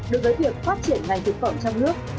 được giới thiệu phát triển ngành thực phẩm trong nước